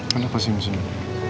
kenapa sih mas ibu